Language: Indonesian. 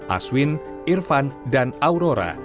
aswin irfan dan aurora